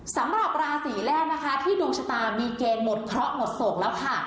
สำหรับราศีแรกนะคะที่ดวงชะตามีเกณฑ์หมดเคราะห์หมดโศกแล้วค่ะ